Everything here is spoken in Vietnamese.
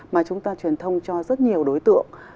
mà chúng ta truyền thông cho rất nhiều đối tượng